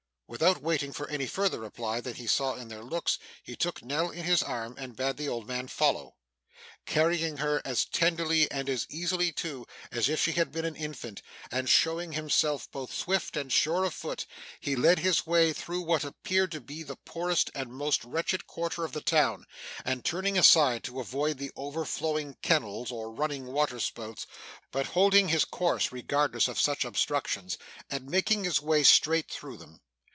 Without waiting for any further reply than he saw in their looks, he took Nell in his arms, and bade the old man follow. Carrying her as tenderly, and as easily too, as if she had been an infant, and showing himself both swift and sure of foot, he led the way through what appeared to be the poorest and most wretched quarter of the town; and turning aside to avoid the overflowing kennels or running waterspouts, but holding his course, regardless of such obstructions, and making his way straight through them.